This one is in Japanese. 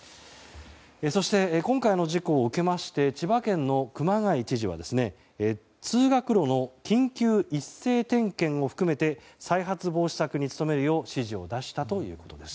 そして、今回の事故を受けまして千葉県の熊谷知事は通学路の緊急一斉点検を含めて再発防止策に努めるよう指示を出したということです。